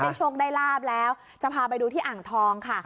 โชคได้ลาบแล้วจะพาไปดูที่อ่างทองค่ะ